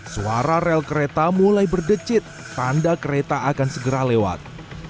suara rel kereta mulai berdecit tanda kereta akan segera lewat